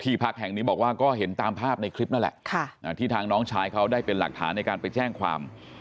พักแห่งนี้บอกว่าก็เห็นตามภาพในคลิปนั่นแหละที่ทางน้องชายเขาได้เป็นหลักฐานในการไปแจ้งความ